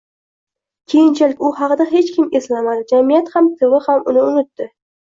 Keyinchalik u haqida hech kim eslamadi, jamiyat ham tv ham uni unutdi.